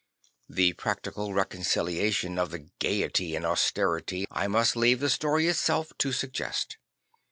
The practical reconciliation of the gaiety and austerity I must leave the story itself to suggest.